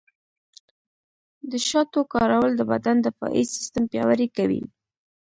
د شاتو کارول د بدن دفاعي سیستم پیاوړی کوي.